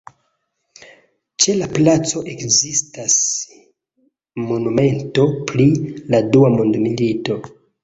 Ĉe la placo ekzistas monumento pri la Dua Mondmilito.